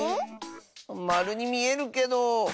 まるにみえるけど。